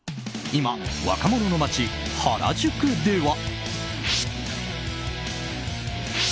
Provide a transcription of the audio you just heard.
今、若者の街・原宿では。